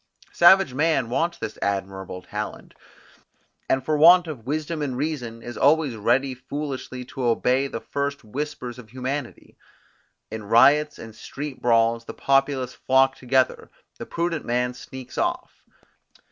Savage man wants this admirable talent; and for want of wisdom and reason, is always ready foolishly to obey the first whispers of humanity. In riots and street brawls the populace flock together, the prudent man sneaks off.